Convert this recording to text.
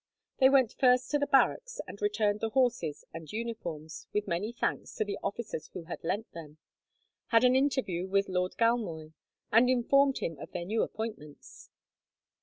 They went first to the barracks, and returned the horses and uniforms, with many thanks, to the officers who had lent them; had an interview with Lord Galmoy, and informed him of their new appointments.